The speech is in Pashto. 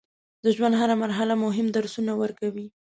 د ژوند هره مرحله مهم درسونه ورکوي.